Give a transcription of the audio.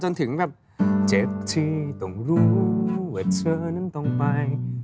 เขาแต่งมาจนถึงแบบ